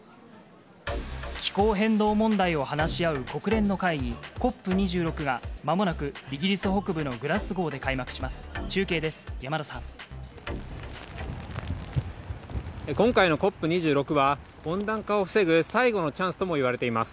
気候変動問題を話し合う国連の会議、ＣＯＰ２６が、まもなくイギリス北部のグラスゴーで開幕します。